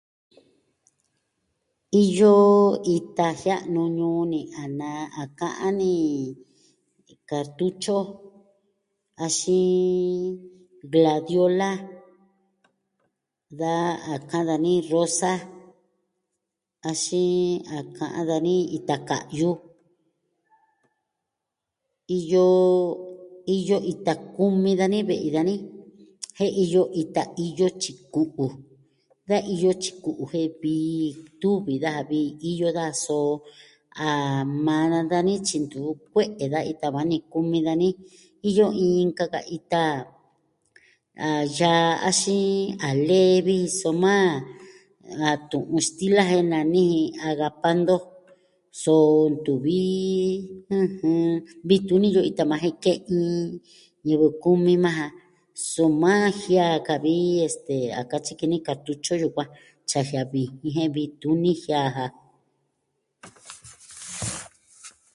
Iyo ita jia'nu ñuu ni. A na, a ka'an ni kartutyo axin gladiola. Da a ka'an dani rosa. Axin, a ka'an dani ita ka'yu. Iyo... iyo ita kumi dani ve'i dani. Jen iyo ita iyo tyiku'u. Da iyo tyiku'u jen vi... tuvi daja vi, iyo da soo. A maa dani tyi ntu kue'e da ita va ni kumi dani. Iyo inka ka ita. A yaa axin a lee vi, soma a tu'un stila jen nani agapando. So ntuvi... ɨjɨn. Vioi tuini iyo ita maa jen ke'in ñivɨ kumi maa jan. Soma, jiaa ka vi, este, a katyi ki ni kartutyo yukuan. Tyi a jiaa vi, vi jen vii tuni jiaa ja.